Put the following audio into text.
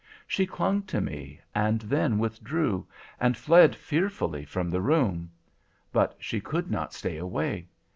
She clung to me, and then withdrew, and fled fearfully from the room. But she could not stay away.